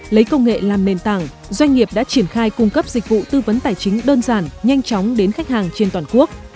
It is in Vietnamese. lấy công nghệ làm nền tảng doanh nghiệp đã triển khai cung cấp dịch vụ tư vấn tài chính đơn giản nhanh chóng đến khách hàng trên toàn quốc